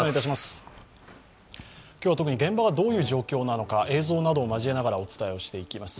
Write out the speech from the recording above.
今日は特に現場がどういう状況なのか映像などを交えながらお伝えしていきます。